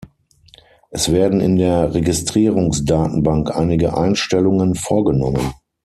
Es werden in der Registrierungsdatenbank einige Einstellungen vorgenommen.